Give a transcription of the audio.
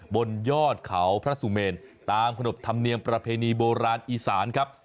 บนยอดเขาพระสุเมนตามขนบธรรมเนียมประเพณีโบราณอีสานครับ